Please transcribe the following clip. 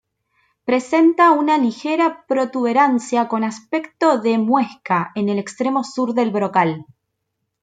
Presenta una ligera protuberancia con aspecto de muesca en el extremo sur del brocal.